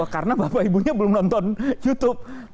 karena bapak ibunya belum nonton youtube